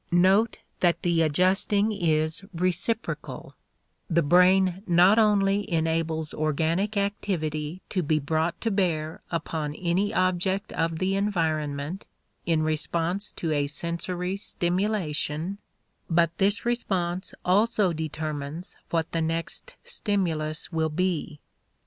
Note that the adjusting is reciprocal; the brain not only enables organic activity to be brought to bear upon any object of the environment in response to a sensory stimulation, but this response also determines what the next stimulus will be.